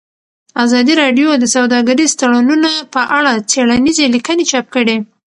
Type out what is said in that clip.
ازادي راډیو د سوداګریز تړونونه په اړه څېړنیزې لیکنې چاپ کړي.